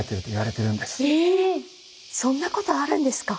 そんなことあるんですか？